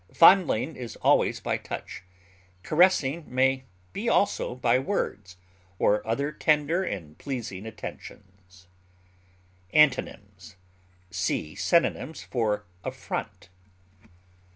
Fondling is always by touch; caressing may be also by words, or other tender and pleasing attentions. Antonyms: See synonyms for AFFRONT.